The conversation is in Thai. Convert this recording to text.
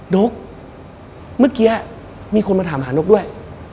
นกเมื่อกี้มีคนมาถามหานกด้วย